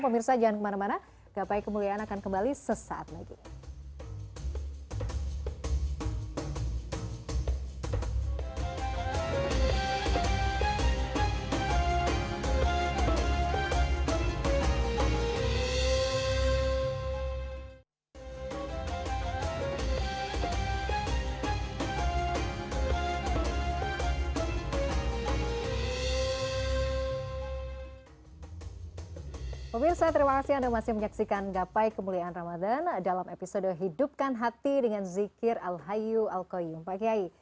pemirsa jangan kemana mana gapai kemuliaan akan kembali